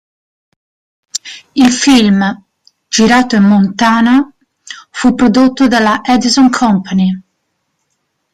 Il film, girato in Montana, fu prodotto dalla Edison Company.